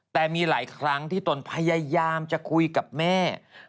แต่มีหลายครั้งที่ตนพยายามจะคุยกับแม่